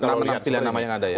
dengan pilihan nama yang ada ya